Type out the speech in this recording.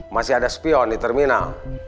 masih ada spion di terminal